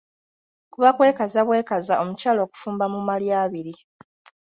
Kuba kwekaza bwekaza omukyala okufumba mu malya abiri.